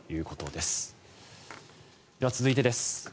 では、続いてです。